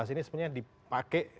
ini sebenarnya dipakai